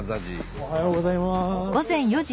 おはようございます。